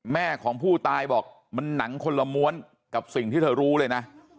แม่ของผู้ตายบอกมันหนังคนละม้วนกับสิ่งที่เธอรู้เลยนะ